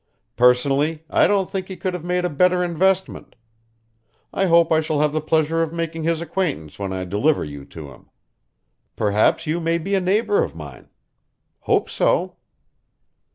Personally, I don't think he could have made a better investment. I hope I shall have the pleasure of making his acquaintance when I deliver you to him. Perhaps you may be a neighbour of mine. Hope so."